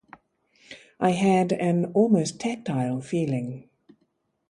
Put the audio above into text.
I had an almost tactile feeling.